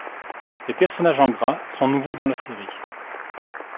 Les personnages en gras sont nouveaux dans la série.